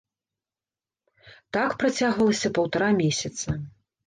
Так працягвалася паўтара месяца.